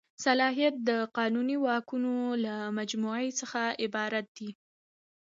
صلاحیت د قانوني واکونو له مجموعې څخه عبارت دی.